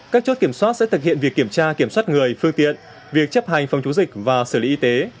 các chốt kiểm soát sẽ thực hiện việc kiểm tra kiểm soát người phương tiện việc chấp hành phòng chống dịch và xử lý y tế